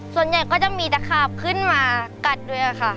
ส่วนใหญ่ก็จะมีตะขาบขึ้นมากัดด้วยค่ะ